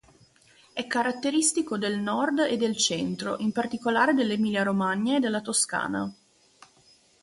È caratteristico del Nord e del Centro, in particolare dell'Emilia-Romagna e della Toscana.